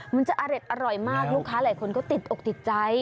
มันจะอร่อยมากลูกค้าหลายคนก็ติดอกติดใจ